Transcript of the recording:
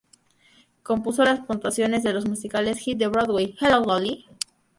Compuso las puntuaciones de los musicales hit de Broadway, "Hello, Dolly!